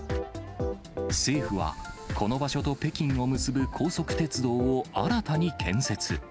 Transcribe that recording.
政府は、この場所と北京を結ぶ高速鉄道を新たに建設。